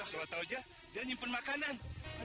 coba tahu saja dia menyimpan makanan